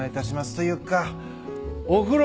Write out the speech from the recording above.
というかお風呂